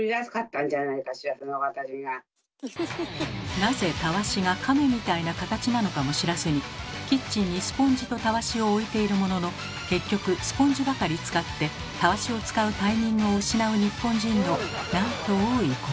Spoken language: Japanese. なぜたわしが亀みたいな形なのかも知らずにキッチンにスポンジとたわしを置いているものの結局スポンジばかり使ってたわしを使うタイミングを失う日本人のなんと多いことか。